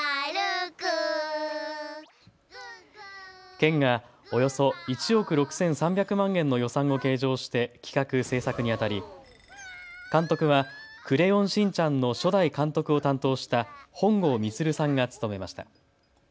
県がおよそ１億６３００万円の予算を計上して企画・制作にあたり監督はクレヨンしんちゃんの初代監督を担当した本郷みつるさんが務めました。